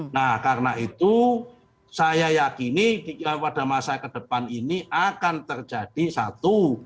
nah karena itu saya yakini pada masa ke depan ini akan terjadi satu